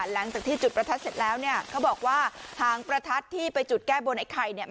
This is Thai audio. หลังจากที่จุดประทัดเสร็จแล้วเนี่ยเขาบอกว่าหางประทัดที่ไปจุดแก้บนไอ้ไข่เนี่ย